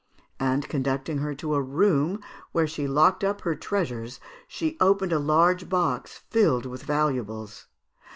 And conducting her to a room where she locked up her treasures, she opened a large box filled with valuables.